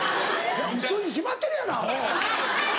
ウソに決まってるやろアホ！